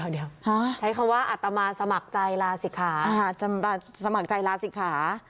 เดี๋ยวใช้คำว่าอาตมาสมัครใจลาศิกขา